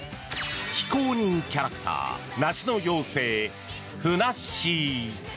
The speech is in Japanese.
非公認キャラクター梨の妖精、ふなっしー。